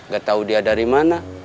gak tahu dia dari mana